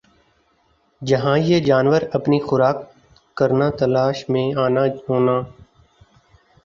جَہاں یِہ جانور اپنی خوراک کرنا تلاش میں آنا ہونا